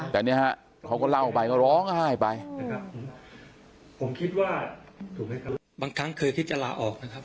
แต่เนี่ยฮะเขาก็เล่าไปก็ร้องไห้ไปนะครับผมคิดว่าถูกไหมครับบางครั้งเคยคิดจะลาออกนะครับ